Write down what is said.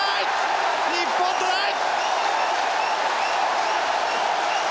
日本トライ！